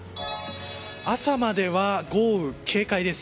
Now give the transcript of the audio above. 朝までは豪雨警戒です。